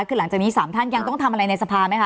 คือหลังจากนี้๓ท่านยังต้องทำอะไรในสภาไหมคะ